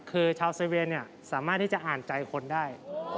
คือชาวเซเวียเนี่ยสามารถที่จะอ่านใจคนได้